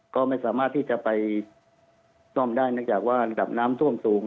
ก็ไม่สามารถที่จะไปซ่อมได้เนื่องจากว่าระดับน้ำท่วมสูง